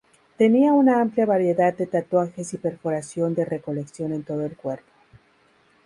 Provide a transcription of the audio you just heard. Tenía una amplia variedad de tatuajes y perforación de recolección en todo su cuerpo.